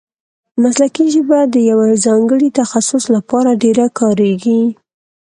مسلکي ژبه د یوه ځانګړي تخصص له پاره ډېره کاریږي.